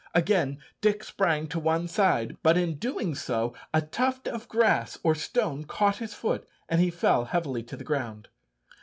Again Dick sprang to one side, but in doing so a tuft of grass or a stone caught his foot, and he fell heavily to the ground.